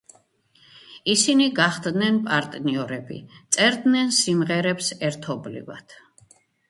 ისინი გახდნენ პარტნიორები, წერდნენ სიმღერებს ერთობლივად.